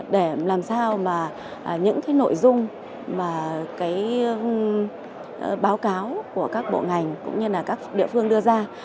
để làm sao những nội dung và báo cáo của các bộ ngành cũng như các địa phương đưa ra